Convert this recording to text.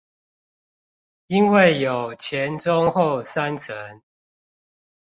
因為有前、中、後三層